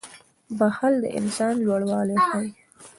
• بښل د انسان لوړوالی ښيي.